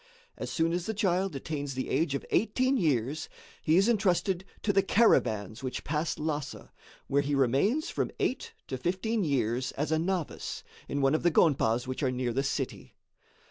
As soon as the child attains the age of eighteen years, he is entrusted to the caravans which pass Lhassa, where he remains from eight to fifteen years as a novice, in one of the gonpas which are near the city.